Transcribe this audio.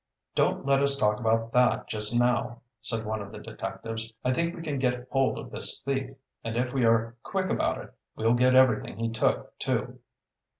"Don't let us talk about that just now," said one of the detectives. "I think we can get hold of this thief, and if we are quick about it we'll get everything he took, too."